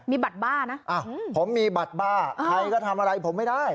มีบัตรบ้านะผมมีบัตรบ้าใครก็ทำอะไรผมไม่ได้